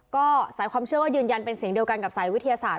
ก็สายความเชื่อก็ยืนยันเป็นเสียงเดียวกันกับสายวิทยาศาสต